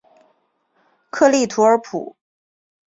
克利图尔普。